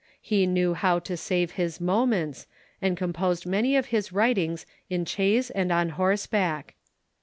He knew how to save his moments, and composed many of his writings in chaise and on horseback.